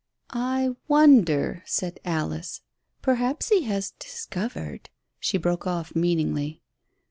"I wonder," said Alice; "perhaps he has discovered " She broke off meaningly.